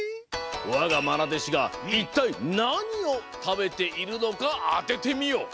わがまなでしがいったいなにをたべているのかあててみよ！